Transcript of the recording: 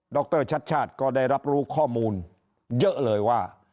รชัชชาติก็ได้รับรู้ข้อมูลเยอะเลยว่า